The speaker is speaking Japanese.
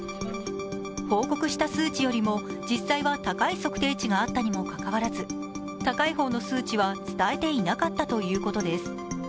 報告した数値よりも実際は高い測定値があったにもかかわらず高い方の数値は伝えていなかったということです。